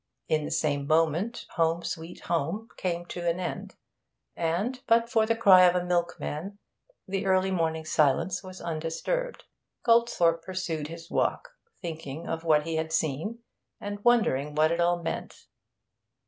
In the same moment 'Home, Sweet Home' came to an end, and, but for the cry of a milkman, the early morning silence was undisturbed. Goldthorpe pursued his walk, thinking of what he had seen, and wondering what it all meant.